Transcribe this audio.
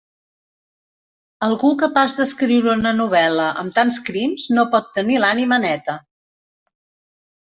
Algú capaç d'escriure una novel·la amb tants crims no pot tenir l'ànima neta.